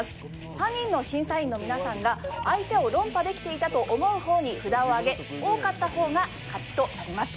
３人の審査員の皆さんが相手を論破できていたと思うほうに札を挙げ多かったほうが勝ちとなります。